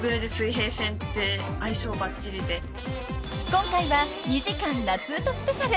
［今回は２時間夏うたスペシャル］